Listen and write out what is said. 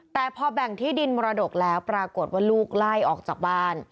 แต่พอแบ่งที่ดินมรดกแล้วปรากฏว่าลูกไล่ออกจากบ้าน